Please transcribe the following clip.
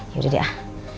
yaudah deh ah